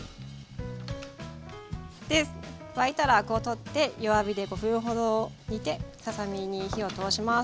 で沸いたらアクを取って弱火で５分ほど煮てささ身に火を通します。